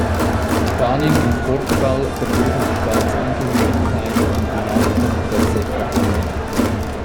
Spanien und Portugal vergeben die Staatsangehörigkeit an die Nachkommen der Sephardim.